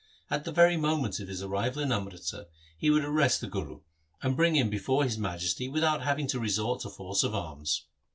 At the very moment of his arrival in Amritsar he would arrest the Guru, and bring him before his Majesty without having to resort to force of arms.